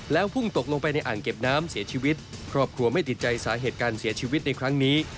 พุ่งตกลงไปในอ่างเก็บน้ำเสียชีวิตครอบครัวไม่ติดใจสาเหตุการเสียชีวิตในครั้งนี้